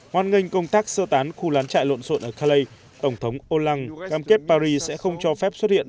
hoan nghênh công tác sơ tán khu lán trại lộn xộn ở khalei tổng thống olan cam kết paris sẽ không cho phép xuất hiện